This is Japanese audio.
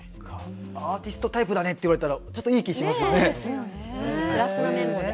アーティストタイプだねって言われたらいい気がしますね。